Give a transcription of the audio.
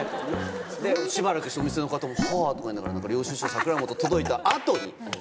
でしばらくしてお店の方「はぁ」とか言いながら領収書「櫻本」届いた後に直後！